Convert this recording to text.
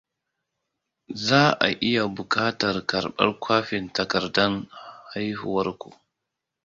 Za a iya buƙatar karɓar kwafin takardar haihuwarku.